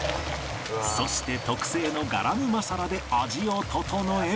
そして特製のガラムマサラで味を調え